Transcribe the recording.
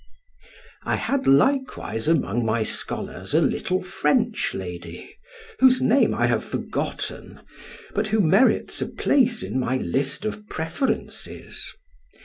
I had likewise among my scholars a little French lady, whose name I have forgotten, but who merits a place in my list of preferences.